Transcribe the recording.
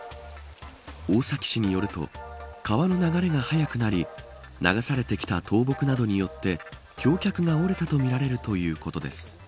大崎市によると川の流れが速くなり流されてきた倒木などによって橋脚が折れたとみられるということです。